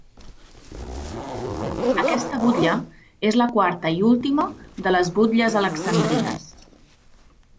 Aquesta butlla és la quarta i última de les Butlles Alexandrines.